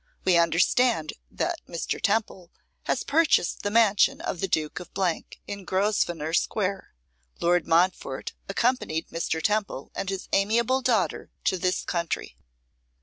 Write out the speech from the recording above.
We understand that Mr. Temple has purchased the mansion of the Duke of , in Grosvenor square. Lord Montfort accompanied Mr. Temple and his amiable daughter to this country.